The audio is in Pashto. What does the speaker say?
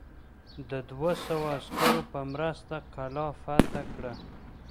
د دوه سوه عسکرو په مرسته قلا فتح کړه.